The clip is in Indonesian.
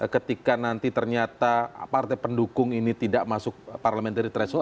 ketika nanti ternyata partai pendukung ini tidak masuk parliamentary threshold